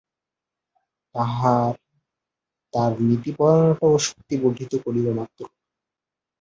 তাহারা তাঁহার নীতিপরায়ণতা ও শক্তি বর্ধিত করিল মাত্র।